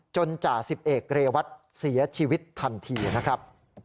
จนจ่า๑๑เรวัตต์เสียชีวิตทันทีนะครับ